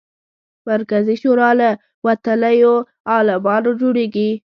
مرکزي شورا له وتلیو عالمانو جوړېږي.